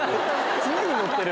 常に持ってる。